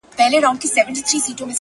د ميني درد،